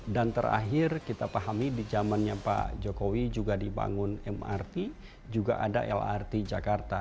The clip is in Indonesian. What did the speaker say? dan terakhir kita pahami di zamannya pak jokowi juga dibangun mrt juga ada lrt jakarta